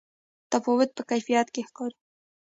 تفاوت په کیفیت کې ښکاري.